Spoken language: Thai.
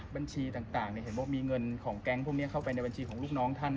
บัญชีต่างเห็นบอกมีเงินของแก๊งพวกนี้เข้าไปในบัญชีของลูกน้องท่าน